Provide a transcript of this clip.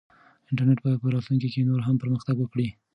انټرنیټ به په راتلونکي کې نور هم پرمختګ وکړي.